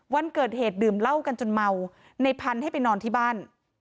วันเกิดเหตุดื่มเหล้ากันจนเมาในพันธุ์ให้ไปนอนที่บ้าน